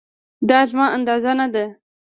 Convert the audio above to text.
دا زما اندازه نه ده